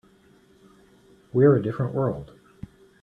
We're a different world.